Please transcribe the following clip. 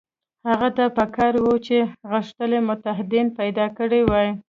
هغه ته په کار وه چې غښتلي متحدین پیدا کړي وای.